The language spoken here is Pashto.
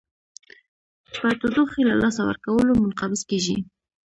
په تودوخې له لاسه ورکولو منقبض کیږي.